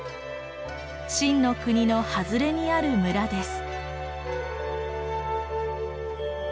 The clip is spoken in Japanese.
晋の国の外れにある村です。